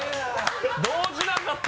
動じなかった。